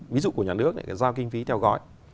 ví dụ của nhà nước giao kinh phí theo gói